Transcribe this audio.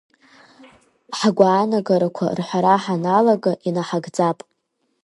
Ҳгәаанагарақәа рҳәара ҳаналага инаҳагӡап.